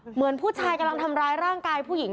เหมือนผู้ชายกำลังทำร้ายร่างกายผู้หญิง